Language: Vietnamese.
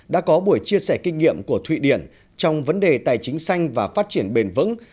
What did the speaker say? đã có buổi chia sẻ kinh nghiệm của thụy điển trong vấn đề tài chính xanh và phát triển bền vững